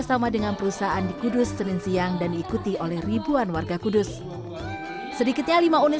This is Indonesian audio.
sama dengan perusahaan di kudus senin siang dan diikuti oleh ribuan warga kudus sedikitnya lima unit